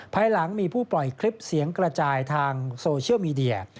ภายหลังมีผู้ปล่อยคลิปเสียงกระจายทางโซเชียลมีเดีย